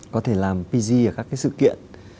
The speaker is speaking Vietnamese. có thể làm pg ở các cái sự kiện